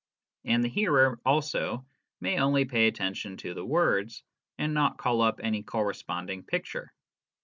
And the hearer also may only pay attention to the words, and not call up any corresponding picture.